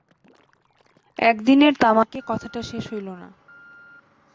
একদিনের তামাকে কথাটা শেষ হইল না।